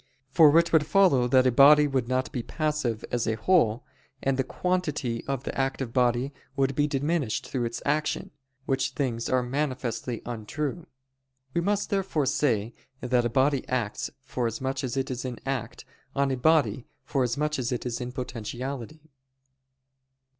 For it would follow that a body would not be passive as a whole, and the quantity of the active body would be diminished through its action; which things are manifestly untrue. We must therefore say that a body acts forasmuch as it is in act, on a body forasmuch as it is in potentiality.